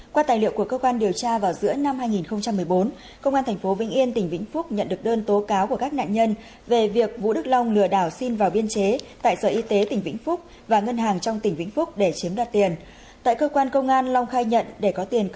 qua tài liệu của cơ quan điều tra vào giữa năm hai nghìn một mươi bốn công an tp vĩnh yên tỉnh vĩnh phúc nhận được đơn tố cáo của các nạn nhân về việc vũ đức long lừa đảo xin vào biên chế tại sở y tế tỉnh vĩnh phúc và ngân hàng trong tỉnh vĩnh phúc để chiếm đoạt tiền